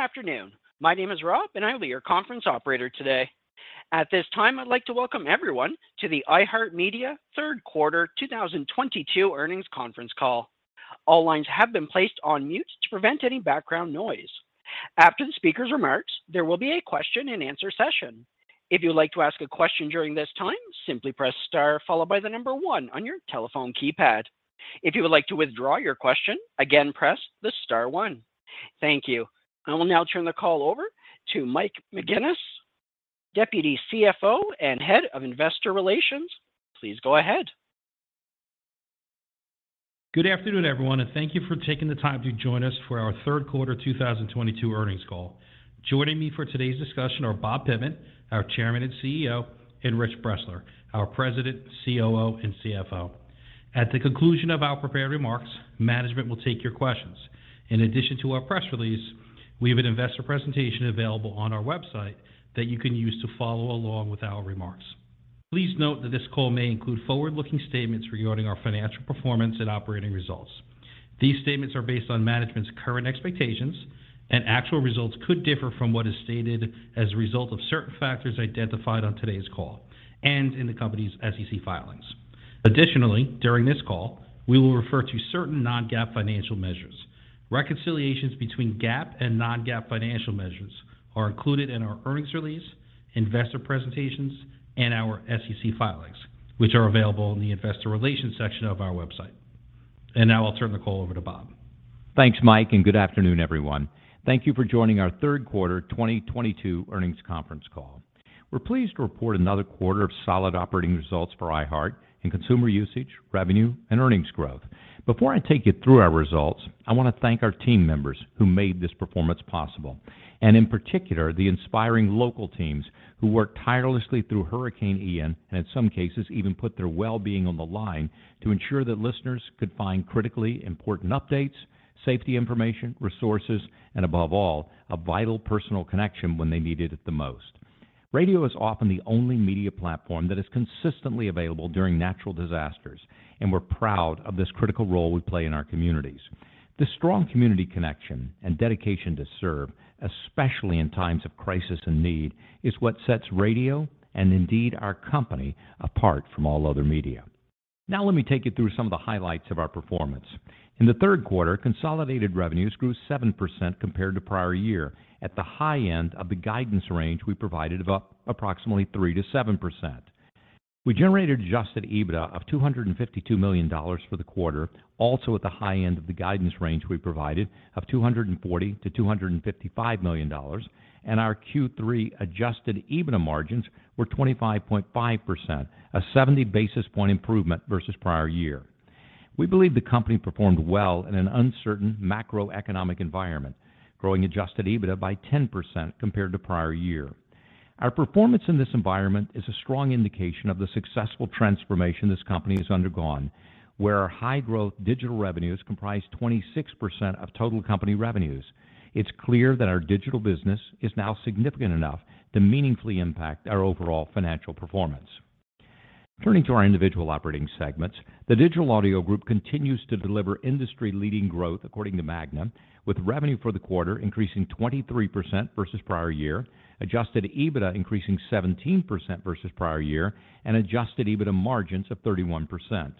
Good afternoon. My name is Rob, and I will be your conference operator today. At this time, I'd like to welcome everyone to the iHeartMedia third quarter 2022 earnings conference call. All lines have been placed on mute to prevent any background noise. After the speaker's remarks, there will be a question-and-answer session. If you would like to ask a question during this time, simply press star followed by the number one on your telephone keypad. If you would like to withdraw your question, again, press the star one. Thank you. I will now turn the call over to Mike McGuinness, Deputy CFO and Head of Investor Relations. Please go ahead. Good afternoon, everyone, and thank you for taking the time to join us for our third quarter 2022 earnings call. Joining me for today's discussion are Bob Pittman, our Chairman and CEO, and Rich Bressler, our President, COO, and CFO. At the conclusion of our prepared remarks, management will take your questions. In addition to our press release, we have an investor presentation available on our website that you can use to follow along with our remarks. Please note that this call may include forward-looking statements regarding our financial performance and operating results. These statements are based on management's current expectations, and actual results could differ from what is stated as a result of certain factors identified on today's call and in the company's SEC filings. Additionally, during this call, we will refer to certain non-GAAP financial measures. Reconciliations between GAAP and non-GAAP financial measures are included in our earnings release, investor presentations, and our SEC filings, which are available in the investor relations section of our website. Now I'll turn the call over to Bob. Thanks, Mike, and good afternoon, everyone. Thank you for joining our third quarter 2022 earnings conference call. We're pleased to report another quarter of solid operating results for iHeart in consumer usage, revenue, and earnings growth. Before I take you through our results, I wanna thank our team members who made this performance possible, and in particular, the inspiring local teams who worked tirelessly through Hurricane Ian, and in some cases, even put their well-being on the line to ensure that listeners could find critically important updates, safety information, resources, and above all, a vital personal connection when they needed it the most. Radio is often the only media platform that is consistently available during natural disasters, and we're proud of this critical role we play in our communities. This strong community connection and dedication to serve, especially in times of crisis and need, is what sets radio and indeed our company apart from all other media. Now let me take you through some of the highlights of our performance. In the third quarter, consolidated revenues grew 7% compared to prior year at the high end of the guidance range we provided of approximately 3%-7%. We generated Adjusted EBITDA of $252 million for the quarter, also at the high end of the guidance range we provided of $240 million-$255 million. Our Q3 Adjusted EBITDA margins were 25.5%, a 70 basis point improvement versus prior year. We believe the company performed well in an uncertain macroeconomic environment, growing Adjusted EBITDA by 10% compared to prior year. Our performance in this environment is a strong indication of the successful transformation this company has undergone, where our high-growth digital revenues comprise 26% of total company revenues. It's clear that our digital business is now significant enough to meaningfully impact our overall financial performance. Turning to our individual operating segments, the Digital Audio Group continues to deliver industry-leading growth according to MAGNA, with revenue for the quarter increasing 23% versus prior year, Adjusted EBITDA increasing 17% versus prior year, and Adjusted EBITDA margins of 31%.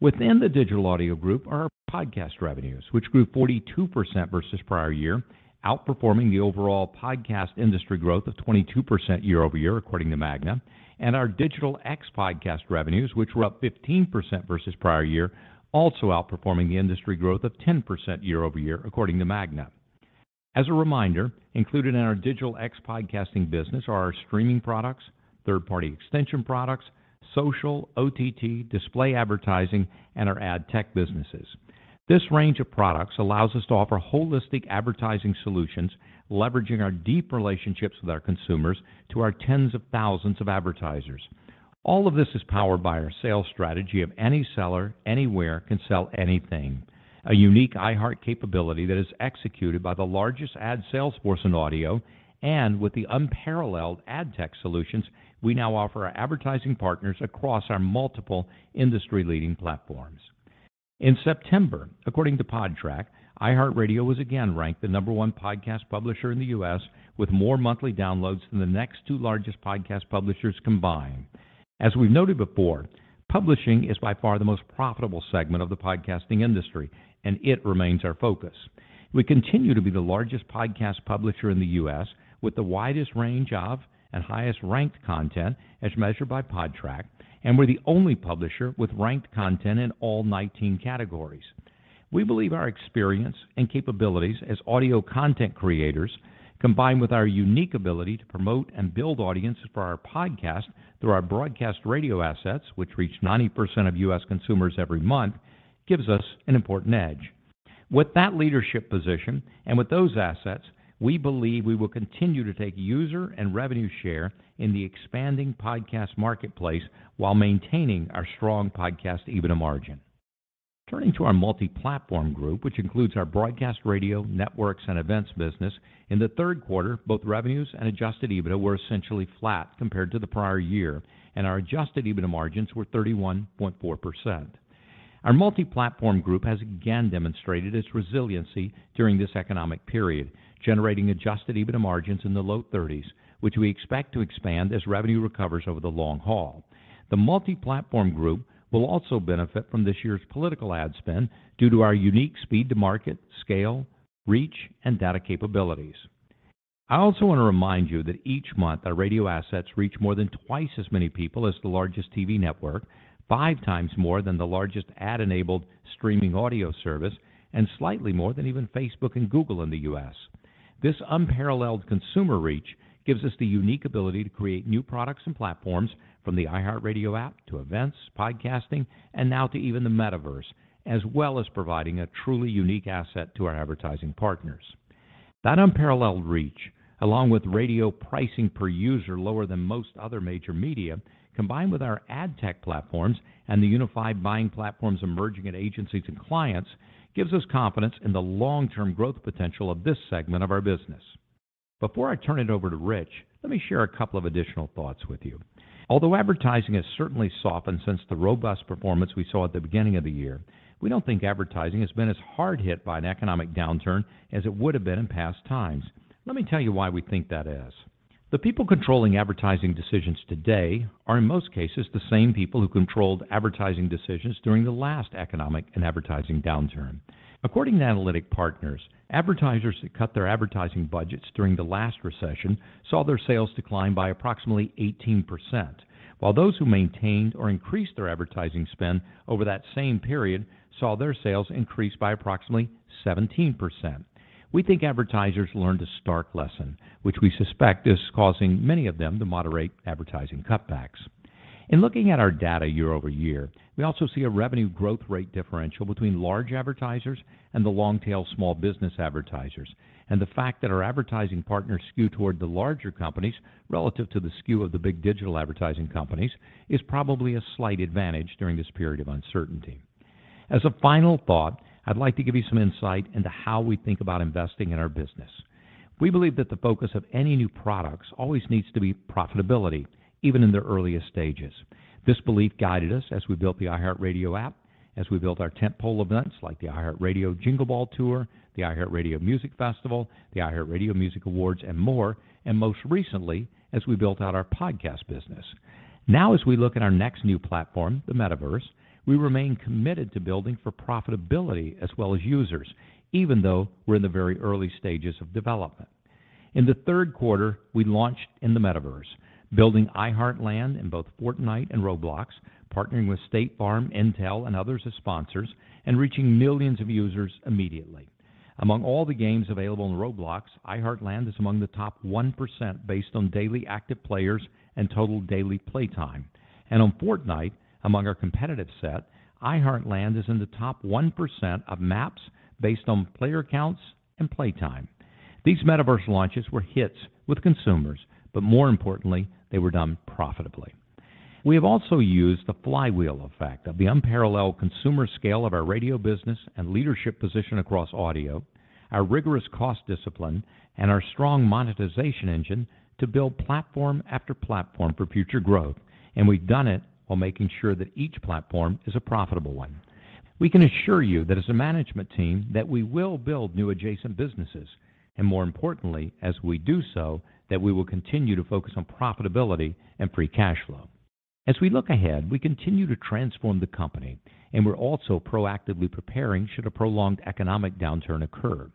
Within the Digital Audio Group are our podcast revenues, which grew 42% versus prior year, outperforming the overall podcast industry growth of 22% year-over-year according to MAGNA. Our Digital ex-podcast revenues, which were up 15% versus prior year, also outperforming the industry growth of 10% year-over-year according to MAGNA. As a reminder, included in our digital ex-podcast business are our Streaming Products, Third-Party Extension Products, Social, OTT, Display Advertising, and our Ad Tech businesses. This range of products allows us to offer holistic advertising solutions, leveraging our deep relationships with our consumers to our tens of thousands of advertisers. All of this is powered by our sales strategy of Any Seller, Anywhere Can Sell Anything, a unique iHeart capability that is executed by the largest ad sales force in audio and with the unparalleled Ad Tech solutions we now offer our advertising partners across our multiple industry-leading platforms. In September, according to Podtrac, iHeartRadio was again ranked the number one podcast publisher in the U.S., with more monthly downloads than the next two largest podcast publishers combined. As we've noted before, publishing is by far the most profitable segment of the podcasting industry, and it remains our focus. We continue to be the largest podcast publisher in the U.S. with the widest range of and highest ranked content as measured by Podtrac, and we're the only publisher with ranked content in all 19 categories. We believe our experience and capabilities as audio content creators, combined with our unique ability to promote and build audience for our podcasts through our broadcast radio assets, which reach 90% of U.S. consumers every month, gives us an important edge. With that leadership position and with those assets, we believe we will continue to take user and revenue share in the expanding podcast marketplace while maintaining our strong podcast EBITDA margin. Turning to our Multiplatform Group, which includes our broadcast Radio, Networks, and Events business, in the third quarter, both revenues and Adjusted EBITDA were essentially flat compared to the prior year, and our Adjusted EBITDA margins were 31.4%. Our Multiplatform Group has again demonstrated its resiliency during this economic period, generating Adjusted EBITDA margins in the low 30s, which we expect to expand as revenue recovers over the long haul. The Multiplatform Group will also benefit from this year's political ad spend due to our unique Speed to Market, Scale, Reach, and Data Capabilities. I also wanna remind you that each month, our radio assets reach more than twice as many people as the largest TV network, five times more than the largest ad-enabled streaming audio service, and slightly more than even Facebook and Google in the U.S. This unparalleled consumer reach gives us the unique ability to create new products and platforms from the iHeartRadio app to events, podcasting, and now to even the Metaverse, as well as providing a truly unique asset to our advertising partners. That unparalleled reach, along with radio pricing per user lower than most other major media, combined with our ad tech platforms and the unified buying platforms emerging at agencies and clients, gives us confidence in the long-term growth potential of this segment of our business. Before I turn it over to Rich, let me share a couple of additional thoughts with you. Although advertising has certainly softened since the robust performance we saw at the beginning of the year, we don't think advertising has been as hard hit by an economic downturn as it would've been in past times. Let me tell you why we think that is. The people controlling advertising decisions today are, in most cases, the same people who controlled advertising decisions during the last economic and advertising downturn. According to Analytic Partners, advertisers who cut their advertising budgets during the last recession saw their sales decline by approximately 18%, while those who maintained or increased their advertising spend over that same period saw their sales increase by approximately 17%. We think advertisers learned a stark lesson, which we suspect is causing many of them to moderate advertising cutbacks. In looking at our data year-over-year, we also see a revenue growth rate differential between large advertisers and the long tail small business advertisers, and the fact that our advertising partners skew toward the larger companies relative to the skew of the big digital advertising companies is probably a slight advantage during this period of uncertainty. As a final thought, I'd like to give you some insight into how we think about investing in our business. We believe that the focus of any new products always needs to be profitability, even in the earliest stages. This belief guided us as we built the iHeartRadio app, as we built our tentpole events like the iHeartRadio Jingle Ball Tour, the iHeartRadio Music Festival, the iHeartRadio Music Awards, and more, and most recently, as we built out our podcast business. Now as we look at our next new platform, the Metaverse, we remain committed to building for profitability as well as users, even though we're in the very early stages of development. In the third quarter, we launched in the Metaverse, building iHeartLand in both Fortnite and Roblox, partnering with State Farm, Intel, and others as sponsors, and reaching millions of users immediately. Among all the games available on Roblox, iHeartLand is among the top 1% based on daily active players and total daily playtime. On Fortnite, among our competitive set, iHeartLand is in the top 1% of maps based on player counts and playtime. These Metaverse launches were hits with consumers, but more importantly, they were done profitably. We have also used the flywheel effect of the unparalleled consumer scale of our Radio business and leadership position across Audio, our rigorous cost discipline, and our strong monetization engine to build platform after platform for future growth, and we've done it while making sure that each platform is a profitable one. We can assure you that as a management team, that we will build new adjacent businesses, and more importantly, as we do so, that we will continue to focus on profitability and free cash flow. As we look ahead, we continue to transform the company, and we're also proactively preparing should a prolonged economic downturn occur.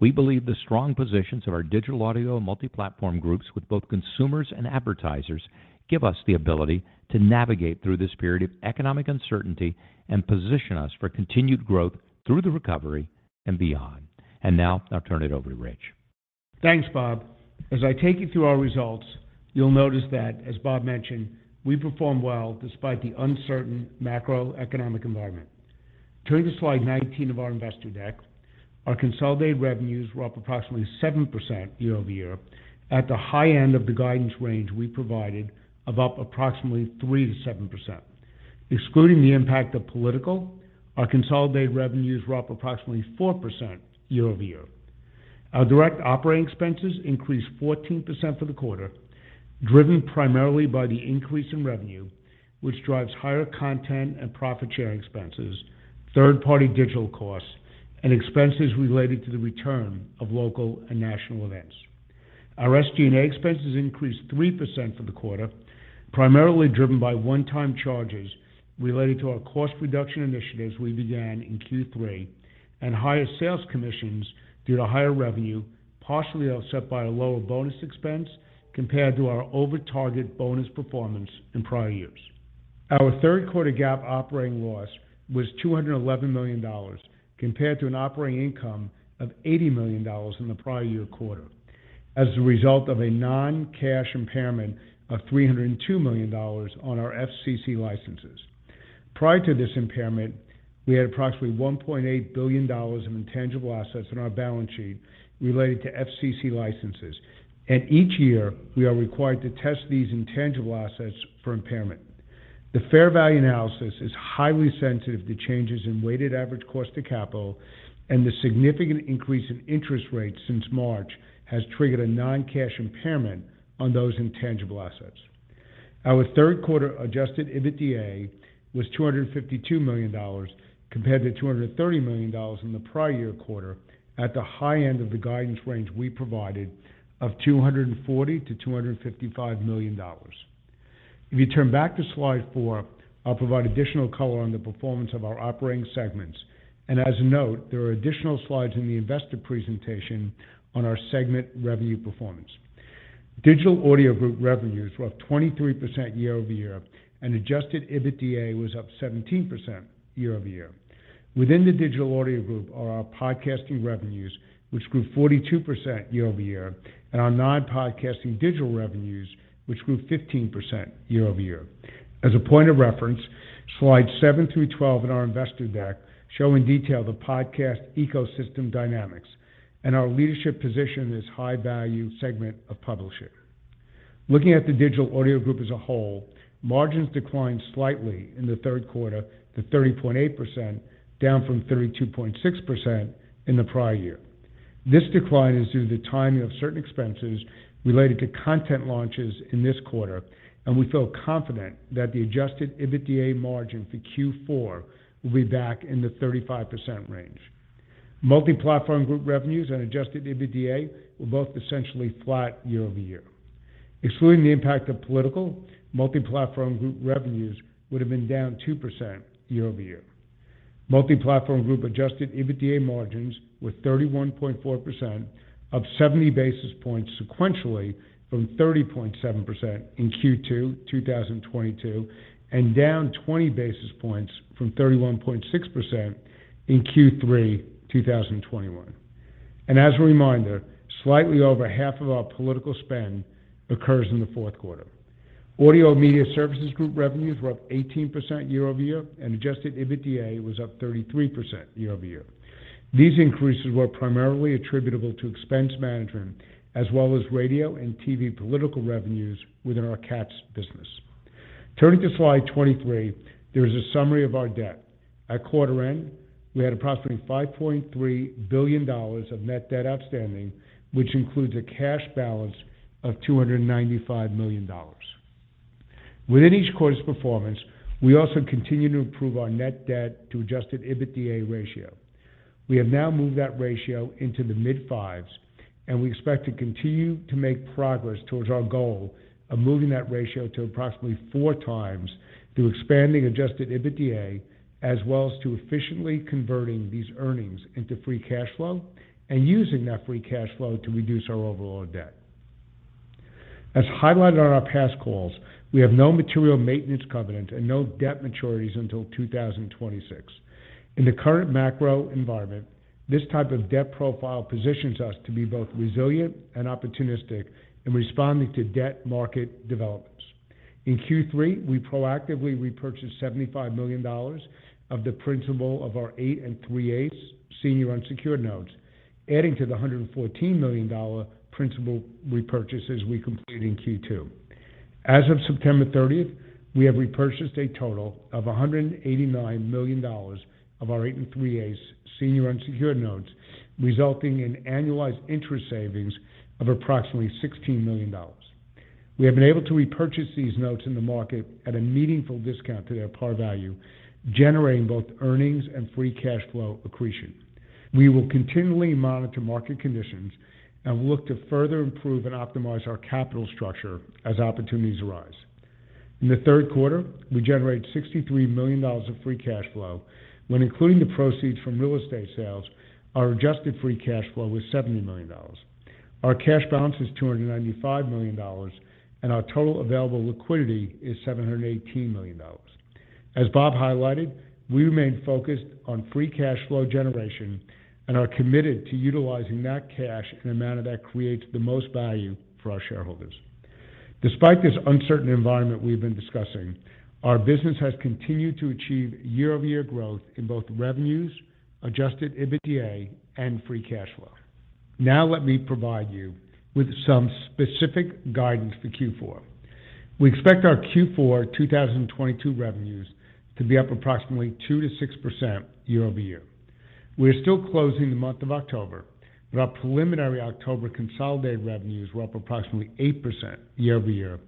We believe the strong positions of our Digital Audio and Multiplatform Groups with both consumers and advertisers give us the ability to navigate through this period of economic uncertainty and position us for continued growth through the recovery and beyond. Now I'll turn it over to Rich. Thanks, Bob. As I take you through our results, you'll notice that, as Bob mentioned, we performed well despite the uncertain macroeconomic environment. Turning to slide 19 of our investor deck, our consolidated revenues were up approximately 7% year-over-year at the high end of the guidance range we provided of up approximately 3%-7%. Excluding the impact of political, our consolidated revenues were up approximately 4% year-over-year. Our direct operating expenses increased 14% for the quarter, driven primarily by the increase in revenue, which drives higher content and profit sharing expenses, third-party digital costs, and expenses related to the return of local and national events. Our SG&A expenses increased 3% for the quarter, primarily driven by one-time charges related to our cost reduction initiatives we began in Q3 and higher sales commissions due to higher revenue, partially offset by a lower bonus expense compared to our over-target bonus performance in prior years. Our third quarter GAAP operating loss was $211 million compared to an operating income of $80 million in the prior year quarter as a result of a non-cash impairment of $302 million on our FCC licenses. Prior to this impairment, we had approximately $1.8 billion of intangible assets on our balance sheet related to FCC licenses, and each year, we are required to test these intangible assets for impairment. The fair value analysis is highly sensitive to changes in weighted average cost of capital, and the significant increase in interest rates since March has triggered a non-cash impairment on those intangible assets. Our third quarter Adjusted EBITDA was $252 million compared to $230 million in the prior year quarter at the high end of the guidance range we provided of $240 million-$255 million. If you turn back to slide four, I'll provide additional color on the performance of our operating segments. As a note, there are additional slides in the investor presentation on our segment revenue performance. Digital Audio Group revenues were up 23% year-over-year, and Adjusted EBITDA was up 17% year-over-year. Within the Digital Audio Group are our podcasting revenues, which grew 42% year-over-year, and our non-podcasting digital revenues, which grew 15% year-over-year. As a point of reference, slides seven through 12 in our investor deck show in detail the podcast ecosystem dynamics and our leadership position in this high-value segment of publishing. Looking at the Digital Audio Group as a whole, margins declined slightly in the third quarter to 30.8%, down from 32.6% in the prior year. This decline is due to the timing of certain expenses related to content launches in this quarter, and we feel confident that the Adjusted EBITDA margin for Q4 will be back in the 35% range. Multiplatform Group revenues and Adjusted EBITDA were both essentially flat year-over-year. Excluding the impact of political, Multiplatform Group revenues would have been down 2% year-over-year. Multiplatform Group Adjusted EBITDA margins were 31.4%, up 70 basis points sequentially from 30.7% in Q2 2022 and down 20 basis points from 31.6% in Q3 2021. As a reminder, slightly over half of our political spend occurs in the fourth quarter. Audio and Media Services Group revenues were up 18% year-over-year, and Adjusted EBITDA was up 33% year-over-year. These increases were primarily attributable to expense management as well as radio and TV political revenues within our Katz business. Turning to slide 23, there is a summary of our debt. At quarter end, we had approximately $5.3 billion of net debt outstanding, which includes a cash balance of $295 million. Within each quarter's performance, we also continue to improve our net debt to Adjusted EBITDA ratio. We have now moved that ratio into the mid-5s, and we expect to continue to make progress towards our goal of moving that ratio to approximately 4x through expanding Adjusted EBITDA as well as efficiently converting these earnings into free cash flow and using that free cash flow to reduce our overall debt. As highlighted on our past calls, we have no material maintenance covenant and no debt maturities until 2026. In the current macro environment, this type of debt profile positions us to be both resilient and opportunistic in responding to debt market developments. In Q3, we proactively repurchased $75 million of the principal of our 8.375% Senior Unsecured Notes, adding to the $114 million principal repurchases we completed in Q2. As of September 30th, we have repurchased a total of $189 million of our 8.375% Senior Unsecured Notes, resulting in annualized interest savings of approximately $16 million. We have been able to repurchase these notes in the market at a meaningful discount to their par value, generating both earnings and free cash flow accretion. We will continually monitor market conditions and look to further improve and optimize our capital structure as opportunities arise. In the third quarter, we generated $63 million of free cash flow. When including the proceeds from real estate sales, our Adjusted Free Cash Flow was $70 million. Our cash balance is $295 million, and our total available liquidity is $718 million. As Bob highlighted, we remain focused on free cash flow generation and are committed to utilizing that cash in a manner that creates the most value for our shareholders. Despite this uncertain environment we've been discussing, our business has continued to achieve year-over-year growth in both revenues, Adjusted EBITDA, and free cash flow. Now let me provide you with some specific guidance for Q4. We expect our Q4 2022 revenues to be up approximately 2%-6% year-over-year. We are still closing the month of October, but our preliminary October consolidated revenues were up approximately 8% year-over-year,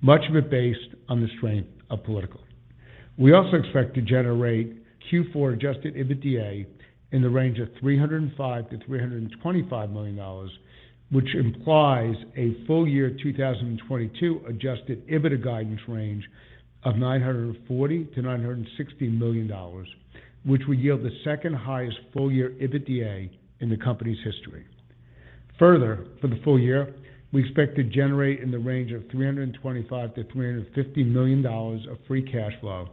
much of it based on the strength of political. We expect to generate Q4 Adjusted EBITDA in the range of $305 million-$325 million, which implies a full-year 2022 Adjusted EBITDA guidance range of $940 million-$960 million, which would yield the second-highest full-year EBITDA in the company's history. Further, for the full year, we expect to generate in the range of $325 million-$350 million of free cash flow.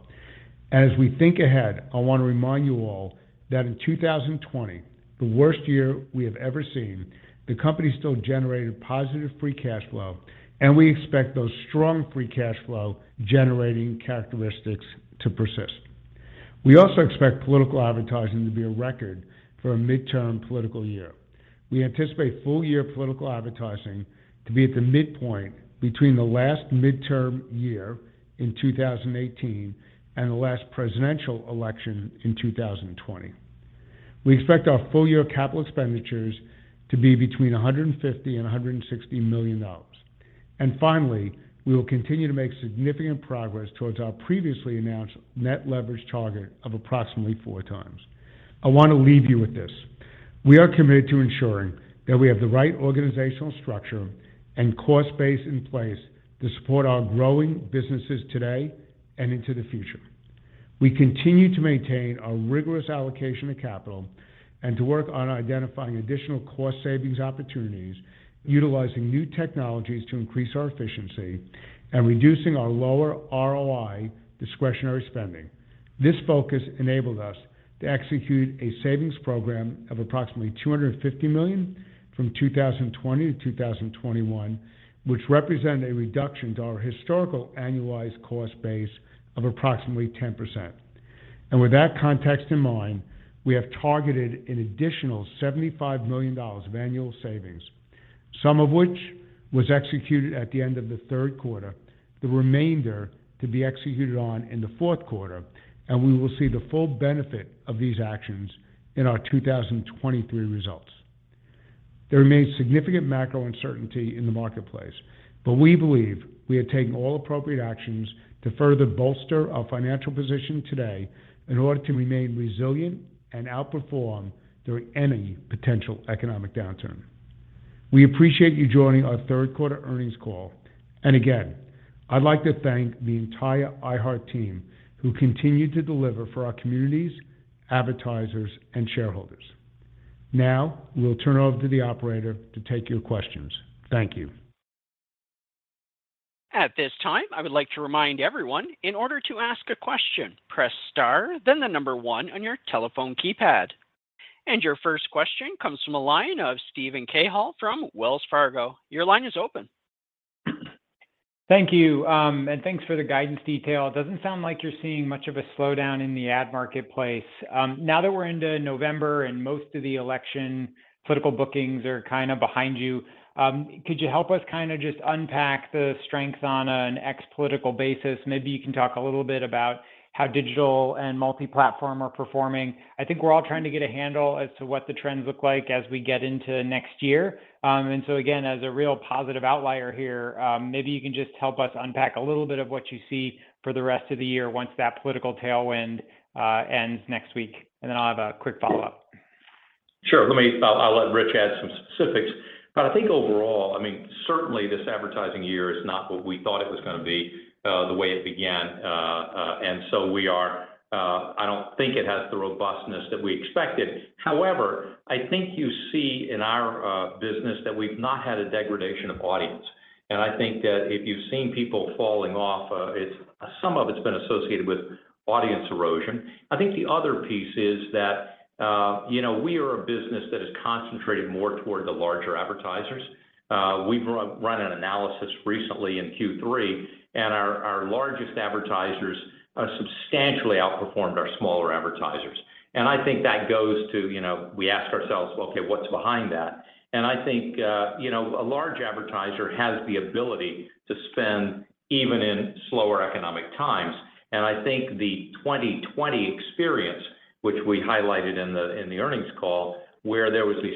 As we think ahead, I want to remind you all that in 2020, the worst year we have ever seen, the company still generated positive free cash flow, and we expect those strong free cash flow generating characteristics to persist. We expect political advertising to be a record for a midterm political year. We anticipate full-year political advertising to be at the midpoint between the last midterm year in 2018 and the last presidential election in 2020. We expect our full year capital expenditures to be between $150 million and $160 million. Finally, we will continue to make significant progress towards our previously announced net leverage target of approximately 4x. I want to leave you with this. We are committed to ensuring that we have the right organizational structure and cost base in place to support our growing businesses today and into the future. We continue to maintain a rigorous allocation of capital and to work on identifying additional cost savings opportunities, utilizing new technologies to increase our efficiency and reducing our lower ROI discretionary spending. This focus enabled us to execute a savings program of approximately $250 million from 2020 to 2021, which represent a reduction to our historical annualized cost base of approximately 10%. With that context in mind, we have targeted an additional $75 million of annual savings, some of which was executed at the end of the third quarter, the remainder to be executed on in the fourth quarter, and we will see the full benefit of these actions in our 2023 results. There remains significant macro uncertainty in the marketplace, but we believe we have taken all appropriate actions to further bolster our financial position today in order to remain resilient and outperform during any potential economic downturn. We appreciate you joining our third-quarter earnings call. Again, I'd like to thank the entire iHeart team who continue to deliver for our communities, advertisers, and shareholders. Now we'll turn over to the operator to take your questions. Thank you. At this time, I would like to remind everyone, in order to ask a question, press star, then the number one on your telephone keypad. Your first question comes from a line of Steven Cahall from Wells Fargo. Your line is open. Thank you. Thanks for the guidance detail. It doesn't sound like you're seeing much of a slowdown in the ad marketplace. Now that we're into November and most of the election political bookings are kind of behind you, could you help us kind of just unpack the strengths on an ex-political basis? Maybe you can talk a little bit about how Digital and Multiplatform are performing. I think we're all trying to get a handle as to what the trends look like as we get into next year. Again, as a real positive outlier here, maybe you can just help us unpack a little bit of what you see for the rest of the year once that political tailwind ends next week. I'll have a quick follow-up. Sure. I'll let Rich add some specifics. I think overall, I mean, certainly this advertising year is not what we thought it was gonna be, the way it began. I don't think it has the robustness that we expected. However, I think you see in our business that we've not had a degradation of audience. I think that if you've seen people falling off, some of it's been associated with audience erosion. I think the other piece is that, you know, we are a business that is concentrated more toward the larger advertisers. We've run an analysis recently in Q3, and our largest advertisers substantially outperformed our smaller advertisers. I think that goes to, you know, we ask ourselves, okay, what's behind that? I think, you know, a large advertiser has the ability to spend even in slower economic times. I think the 2020 experience, which we highlighted in the earnings call, where there was a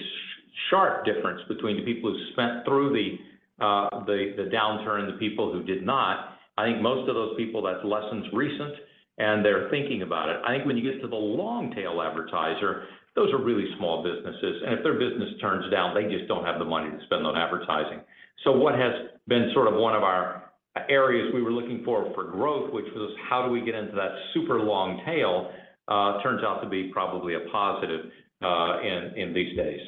sharp difference between the people who spent through the downturn and the people who did not. I think most of those people, that lesson's recent, and they're thinking about it. I think when you get to the long-tail advertiser, those are really small businesses, and if their business turns down, they just don't have the money to spend on advertising. What has been sort of one of our areas we were looking for for growth, which was how do we get into that super long tail, turns out to be probably a positive, in these days.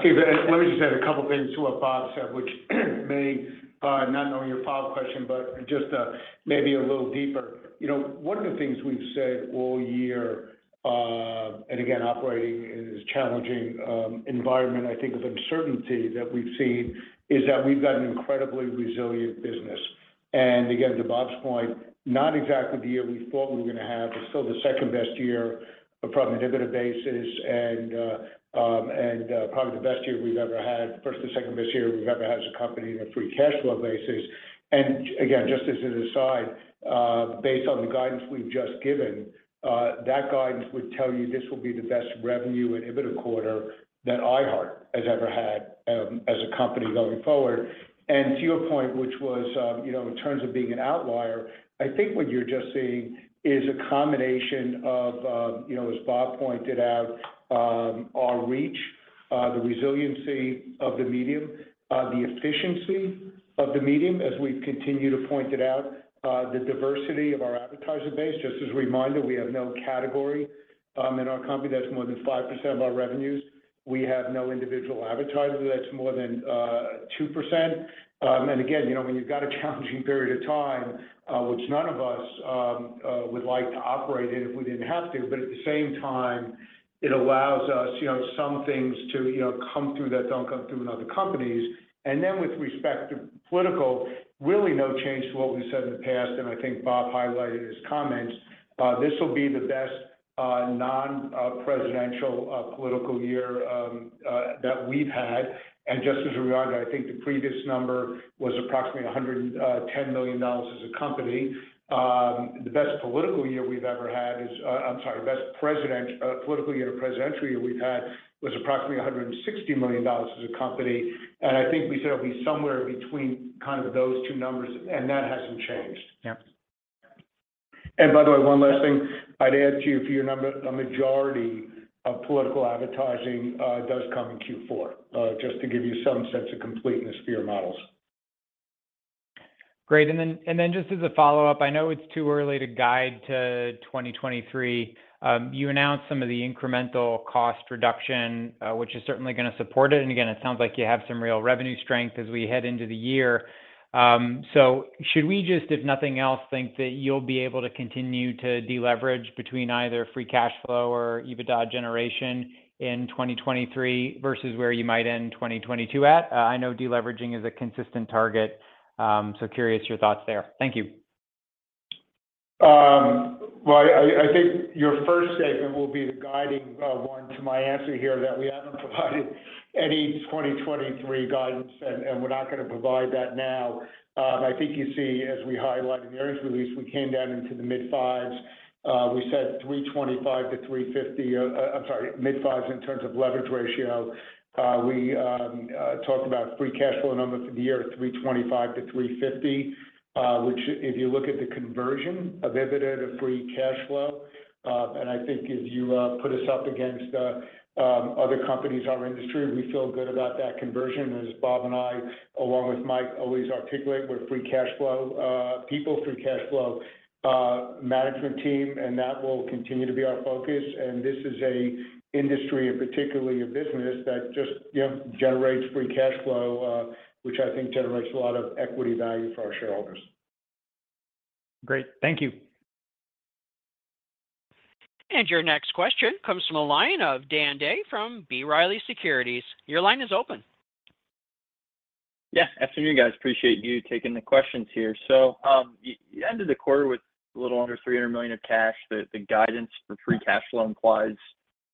Steven, let me just add a couple things to what Bob said, which may, not knowing your follow-up question, but just, maybe a little deeper. You know, one of the things we've said all year, and again, operating in this challenging environment, I think, of uncertainty that we've seen, is that we've got an incredibly resilient business. Again, to Bob's point, not exactly the year we thought we were gonna have. It's still the second best year from an EBITDA basis and probably the best year we've ever had. First or second best year we've ever had as a company in a free cash flow basis. Again, just as an aside, based on the guidance we've just given, that guidance would tell you this will be the best revenue and EBITDA quarter that iHeart has ever had, as a company going forward. To your point, which was, you know, in terms of being an outlier, I think what you're just seeing is a combination of, you know, as Bob pointed out, our reach, the resiliency of the medium, the efficiency of the medium as we've continued to point it out, the diversity of our advertiser base. Just as a reminder, we have no category in our company that's more than 5% of our revenues. We have no individual advertiser that's more than 2%. Again, you know, when you've got a challenging period of time, which none of us would like to operate in if we didn't have to, but at the same time, it allows us, you know, some things to, you know, come through that don't come through in other companies. With respect to political, really no change to what we've said in the past, and I think Bob highlighted in his comments. This will be the best non-presidential political year that we've had. Just as a reminder, I think the previous number was approximately $110 million as a company. The best political year we've ever had. I'm sorry, the best presidential political year or presidential year we've had was approximately $160 million as a company.I think we said it'll be somewhere between kind of those two numbers, and that hasn't changed. Yeah. By the way, one last thing I'd add to you for your number, a majority of political advertising does come in Q4. Just to give you some sense of completeness for your models. Great. Then just as a follow-up, I know it's too early to guide to 2023. You announced some of the incremental cost reduction, which is certainly gonna support it. Again, it sounds like you have some real revenue strength as we head into the year. Should we just, if nothing else, think that you'll be able to continue to deleverage between either free cash flow or EBITDA generation in 2023 versus where you might end 2022 at? I know deleveraging is a consistent target. Curious your thoughts there. Thank you. Well, I think your first statement will be the guiding one to my answer here, that we haven't provided any 2023 guidance, and we're not gonna provide that now. I think you see, as we highlight in the earnings release, we came down into the mid-5s. We said $325 million-$350 million. I'm sorry, mid-5s in terms of leverage ratio. We talked about free cash flow numbers for the year, $325 million-$350 million, which if you look at the conversion of EBITDA to free cash flow, and I think if you put us up against other companies in our industry, we feel good about that conversion. As Bob and I, along with Mike, always articulate, we're free cash flow people, free cash flow management team, and that will continue to be our focus. This is an industry and particularly a business that just, you know, generates free cash flow, which I think generates a lot of equity value for our shareholders. Great. Thank you. Your next question comes from the line of Dan Day from B. Riley Securities. Your line is open. Afternoon, guys. Appreciate you taking the questions here. You ended the quarter with a little under $300 million of cash. The guidance for free cash flow implies,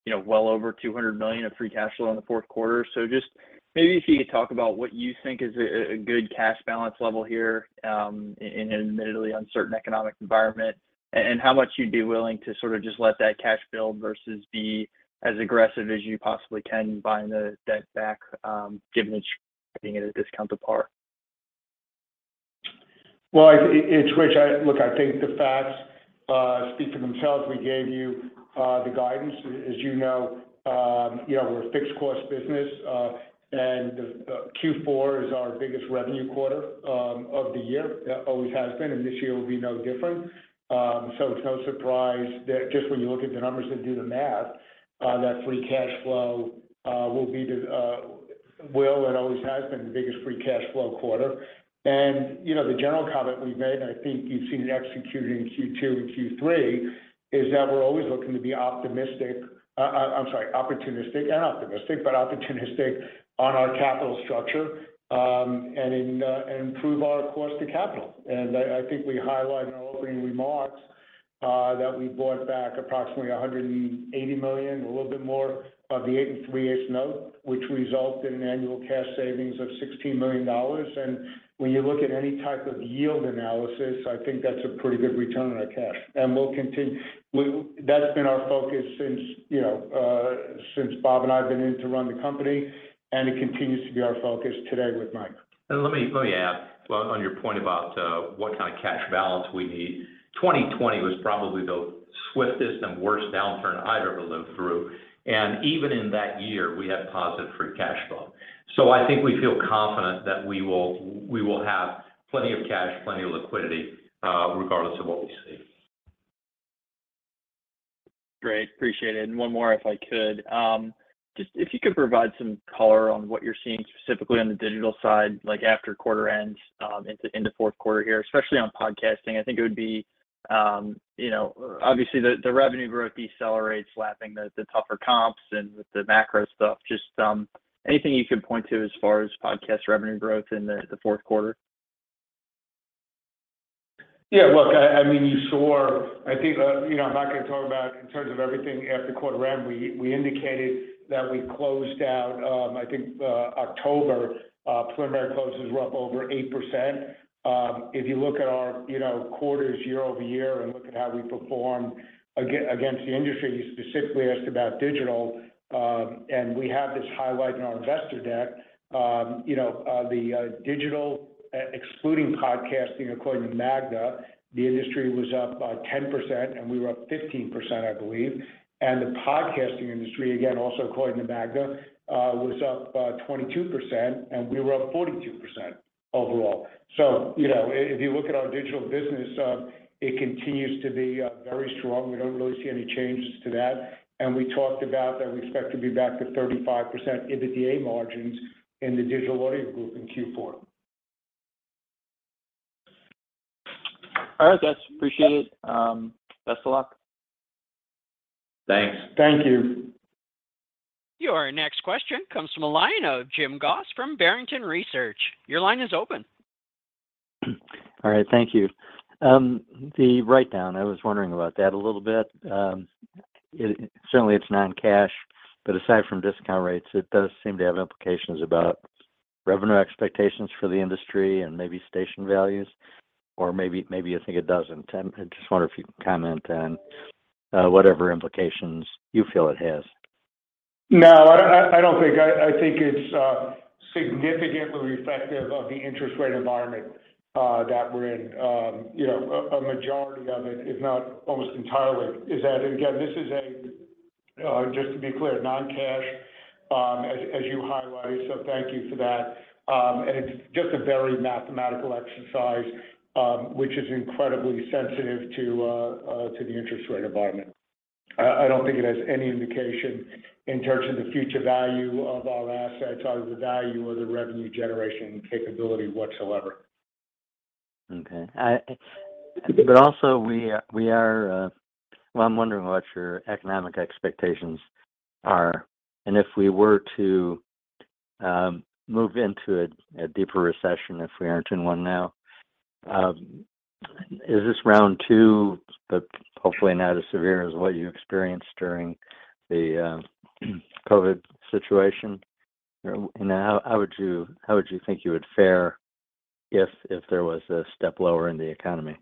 you know, well over $200 million of free cash flow in the fourth quarter. Just maybe if you could talk about what you think is a good cash balance level here, in an admittedly uncertain economic environment, and how much you'd be willing to sort of just let that cash build versus be as aggressive as you possibly can buying the debt back, given that you're buying it at a discount to par. Well, it's Rich. Look, I think the facts speak for themselves. We gave you the guidance. As you know, you know, we're a fixed cost business, and the Q4 is our biggest revenue quarter of the year. Always has been, and this year will be no different. So it's no surprise that just when you look at the numbers and do the math, that free cash flow will and always has been the biggest free cash flow quarter. You know, the general comment we've made, and I think you've seen it executed in Q2 and Q3, is that we're always looking to be opportunistic and optimistic, but opportunistic on our capital structure, and improve our cost of capital. I think we highlighted in our opening remarks that we bought back approximately 180 million, a little bit more of the 8.375% note, which resulted in an annual cash savings of $16 million. When you look at any type of yield analysis, I think that's a pretty good return on our cash. We'll continue. That's been our focus since, you know, since Bob and I have been in to run the company, and it continues to be our focus today with Mike. Let me add on your point about what kind of cash balance we need. 2020 was probably the swiftest and worst downturn I've ever lived through. Even in that year, we had positive free cash flow. I think we feel confident that we will have plenty of cash, plenty of liquidity, regardless of what we see. Great. Appreciate it. One more, if I could. Just if you could provide some color on what you're seeing specifically on the digital side, like after quarter ends, in the fourth quarter here, especially on podcasting. Obviously, the revenue growth decelerates, lapping the tougher comps and with the macro stuff. Just anything you could point to as far as podcast revenue growth in the fourth quarter? Yeah. Look, I mean, you saw, I think, you know, I'm not gonna talk about in terms of everything after quarter end. We indicated that we closed out, I think, October, preliminary closes were up over 8%. If you look at our, you know, quarters year-over-year and look at how we performed against the industry, you specifically asked about digital, and we have this highlighted in our investor deck. You know, the digital excluding podcasting, according to MAGNA, the industry was up 10%, and we were up 15%, I believe. The podcasting industry, again, also according to MAGNA, was up 22%, and we were up 42% overall. You know, if you look at our digital business, it continues to be very strong. We don't really see any changes to that. We talked about that we expect to be back to 35% EBITDA margins in the Digital Audio Group in Q4. All right, guys. Appreciate it. Best of luck. Thanks. Thank you. Your next question comes from a line of James Goss from Barrington Research. Your line is open. All right. Thank you. The write-down, I was wondering about that a little bit. Certainly it's non-cash, but aside from discount rates, it does seem to have implications about revenue expectations for the industry and maybe station values, or maybe you think it doesn't. I just wonder if you can comment on whatever implications you feel it has. No, I think it's significantly reflective of the interest rate environment that we're in. You know, a majority of it, if not almost entirely, is that. Again, this is just to be clear, non-cash, as you highlighted, so thank you for that. It's just a very mathematical exercise, which is incredibly sensitive to the interest rate environment. I don't think it has any indication in terms of the future value of our assets or the value or the revenue generation capability whatsoever. Okay. Well, I'm wondering what your economic expectations are, and if we were to move into a deeper recession if we aren't in one now. Is this round two, but hopefully not as severe as what you experienced during the COVID situation? You know, and how would you think you would fare if there was a step lower in the economy?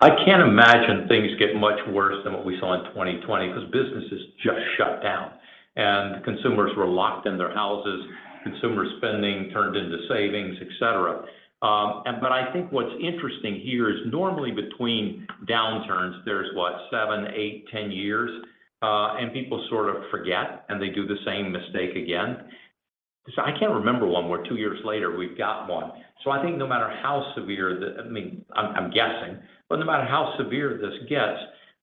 I can't imagine things get much worse than what we saw in 2020 'cause businesses just shut down, and consumers were locked in their houses. Consumer spending turned into savings, et cetera. I think what's interesting here is normally between downturns there's what, seven, eight, 10 years, and people sort of forget, and they do the same mistake again. I can't remember one where two years later we've got one. I think no matter how severe, I mean, I'm guessing, but no matter how severe this gets,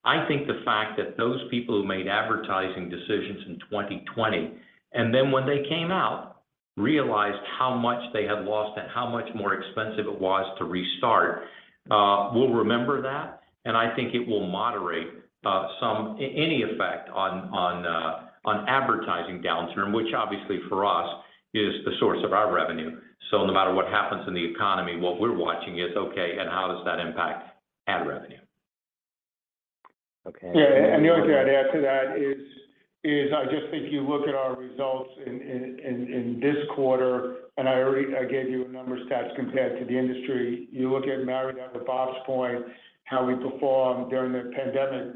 I think the fact that those people who made advertising decisions in 2020, and then when they came out, realized how much they had lost and how much more expensive it was to restart, will remember that, and I think it will moderate some any effect on advertising downturn, which obviously for us is the source of our revenue. No matter what happens in the economy, what we're watching is okay, and how does that impact ad revenue. Okay. Yeah. The only thing I'd add to that is I just think you look at our results in this quarter, and I gave you a number of stats compared to the industry. You look at Bob's point, how we performed during the pandemic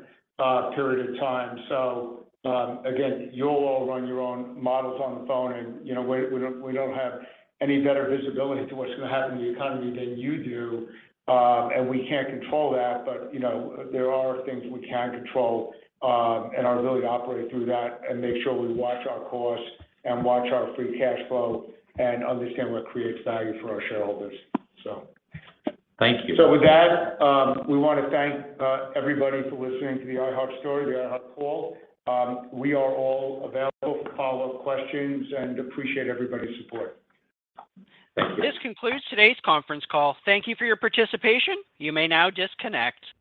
period of time. Again, you'll all run your own models on your own, you know, we don't have any better visibility into what's gonna happen in the economy than you do. And we can't control that. You know, there are things we can control, and our ability to operate through that and make sure we watch our costs and watch our free cash flow and understand what creates value for our shareholders so. Thank you. With that, we wanna thank everybody for listening to the iHeart story, the iHeart call. We are all available for follow-up questions and appreciate everybody's support. Thank you. This concludes today's conference call. Thank you for your participation. You may now disconnect.